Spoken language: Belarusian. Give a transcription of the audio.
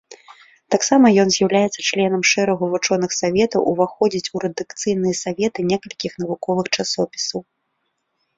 Таксама ён з'яўляецца членам шэрагу вучоных саветаў, уваходзіць у рэдакцыйныя саветы некалькіх навуковых часопісаў.